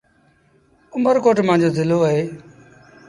اُمر ڪوٽ مآݩجو زلو با اهي۔